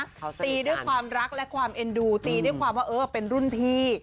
ตีด้วยความรักและความเอ็นดูตีด้วยความว่าเออเป็นรุ่นพี่